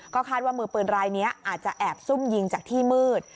คาดว่ามือปืนรายนี้อาจจะแอบซุ่มยิงจากที่มืด